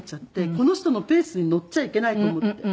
この人のペースに乗っちゃいけないと思って。